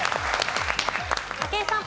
武井さん。